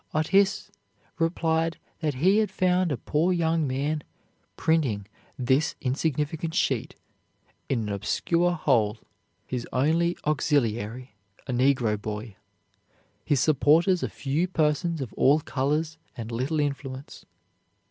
Otis replied that he had found a poor young man printing "this insignificant sheet in an obscure hole, his only auxiliary a negro boy, his supporters a few persons of all colors and little influence."